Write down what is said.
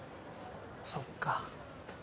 そっか。